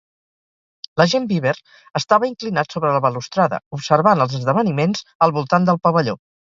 L'agent Beaver estava inclinat sobre la balustrada, observant els esdeveniments al voltant del pavelló.